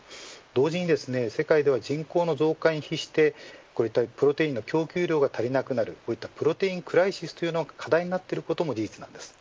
同時に、世界では人口の増加に比してプロテインの供給量が足りなくなるプロテインクライシスというのが課題になっていることも事実です。